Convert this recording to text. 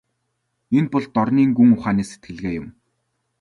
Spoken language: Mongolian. Энэ бол дорнын гүн ухааны сэтгэлгээ юм.